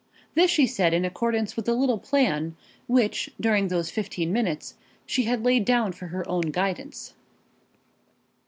This she said in accordance with the little plan which during those fifteen minutes she had laid down for her own guidance.